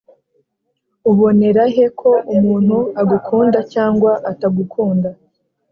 Ubonerahe ko umuntu agukunda cyangwa atagukunda